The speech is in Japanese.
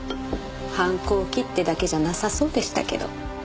反抗期ってだけじゃなさそうでしたけど。